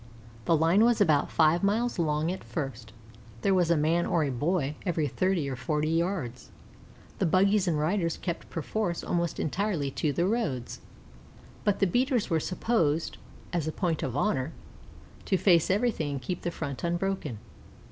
The line was about five miles long at first, and there was a man or a boy every thirty or forty yards. The buggies and riders kept perforce almost entirely to the roads; but the beaters were supposed, as a point of honor, to face everything, and keep the front unbroken.